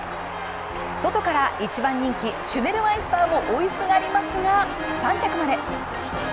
外から１番人気、シュネルマイスターも追いすがりますが３着まで。